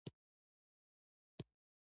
مس د افغان تاریخ په کتابونو کې ذکر شوی دي.